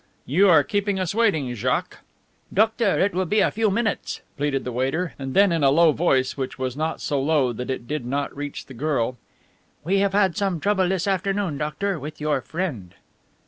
"You are keeping us waiting, Jaques." "Doctor, it will be but a few minutes," pleaded the waiter, and then in a low voice, which was not so low that it did not reach the girl. "We have had some trouble this afternoon, doctor, with your friend."